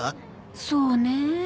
そうねえ。